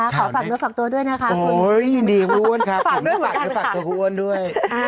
วันนี้น้องมีนนั่งตัวกลางเลย